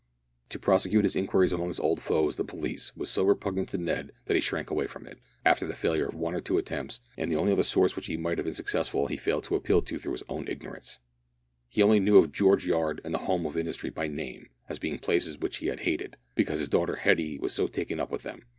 To prosecute his inquiries among his old foes, the police, was so repugnant to Ned that he shrank from it, after the failure of one or two attempts, and the only other source which might have been successful he failed to appeal to through his own ignorance. He only knew of George Yard and the Home of Industry by name, as being places which he had hated, because his daughter Hetty was so taken up with them.